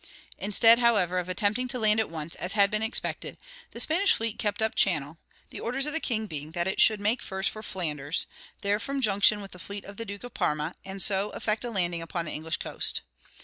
Instead, however, of attempting to land at once, as had been expected, the Spanish fleet kept up channel; the orders of the king being that it should make first for Flanders, there form junction with the fleet of the Duke of Parma, and so effect a landing upon the English coast.